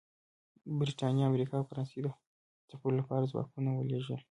برېټانیا، امریکا او فرانسې د ځپلو لپاره ځواکونه ولېږل